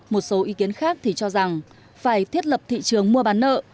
một số ý kiến khác thì cho rằng phải thiết lập thị trường mua bán nợ